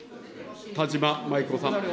田島麻衣子さん。